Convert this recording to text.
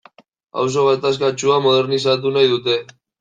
Auzo gatazkatsua modernizatu nahi dute.